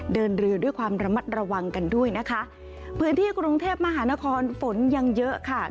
เดินเรือด้วยความระมัดระวังกันด้วยนะคะพื้นที่กรุงเทพมหานครฝนยังเยอะค่ะ